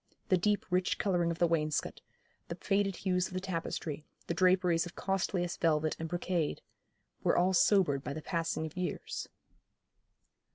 The deep rich colouring of the wainscot, the faded hues of the tapestry, the draperies of costliest velvet and brocade, were all sobered by the passing of years.